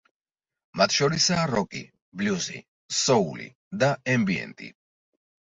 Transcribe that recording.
მათ შორისაა როკი, ბლიუზი, სოული და ემბიენტი.